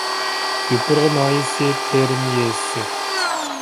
يوپۇرغا ناھىيەسى تېرىم يېزىسى